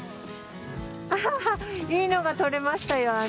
アハハいいのが撮れましたよ